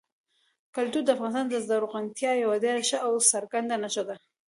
کلتور د افغانستان د زرغونتیا یوه ډېره ښه او څرګنده نښه ده.